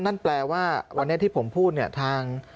นั่นแปลว่าวันนี้ที่ผมพูดเนี่ยทาง